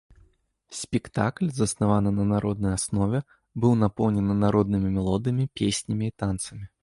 Спектакль, заснаваны на народнай аснове, быў напоўнены народнымі мелодыямі, песнямі і танцамі.